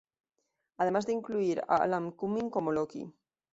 Además de incluir a Alan Cumming como Loki.